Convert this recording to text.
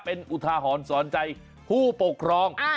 เป็นอุทาหรณ์สอนใจผู้ปกครอง